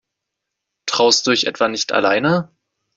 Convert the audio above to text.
Traust du dich etwa nicht alleine?